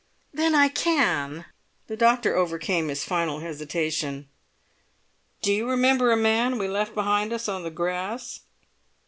"Then I can!" The doctor overcame his final hesitation. "Do you remember a man we left behind us on the grass?"